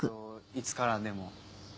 いつからでも。